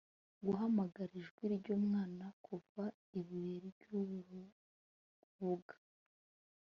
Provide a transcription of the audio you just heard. guhamagara ijwi ryumwana kuva ibuye ryurubuga